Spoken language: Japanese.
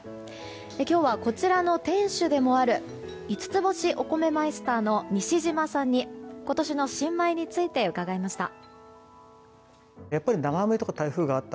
今日はこちらの店主でもある五ツ星お米マイスターの西島さんに今年の新米について伺いました。